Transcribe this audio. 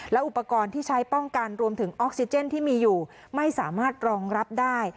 และอุปกรณ์ที่ใช้ป้องกันรวมถึงออกซิเจนที่มีอยู่ไม่สามารถรองรับได้